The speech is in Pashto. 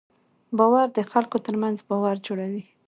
باور د خلکو تر منځ باور جوړوي.